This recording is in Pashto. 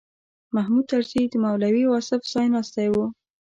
محمود طرزي د مولوي واصف ځایناستی و.